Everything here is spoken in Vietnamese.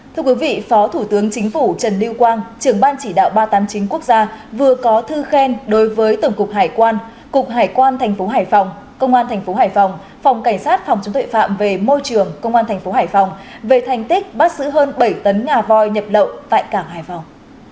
thưa quý vị phó thủ tướng chính phủ trần lưu quang trưởng ban chỉ đạo ba trăm tám mươi chín quốc gia vừa có thư khen đối với tổng cục hải quan cục hải quan thành phố hải phòng công an tp hải phòng phòng cảnh sát phòng chống tuệ phạm về môi trường công an tp hải phòng về thành tích bắt giữ hơn bảy tấn ngà voi nhập lậu tại cảng hải phòng